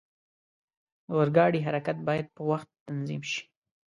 د اورګاډي حرکت باید په وخت تنظیم شي.